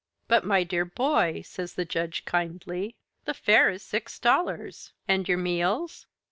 "But, my dear boy!" says the Judge kindly. "The fare is six dollars. And your meals?"